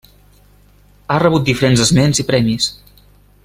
Ha rebut diferents esments i premis.